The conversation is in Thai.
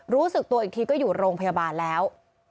รู้สึกตัวอีกทีก็อยู่โรงพยาบาลแล้ว